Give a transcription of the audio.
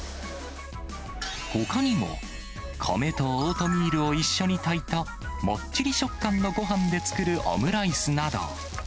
ほかにも、米とオートミールを一緒にたいた、もっちり食感のごはんで作るオムライスなど。